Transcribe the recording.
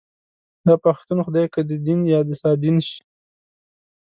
داپښتون خدای که ددين يا دسادين شي